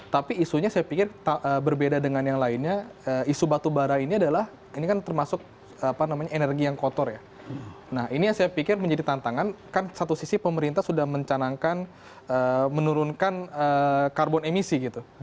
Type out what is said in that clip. tapi isunya saya pikir berbeda dengan yang lainnya isu batubara ini adalah ini kan termasuk energi yang kotor ya nah ini yang saya pikir menjadi tantangan kan satu sisi pemerintah sudah mencanangkan menurunkan karbon emisi gitu